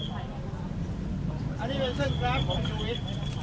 อันนี้เป็นเส้นกราฟของชุวิต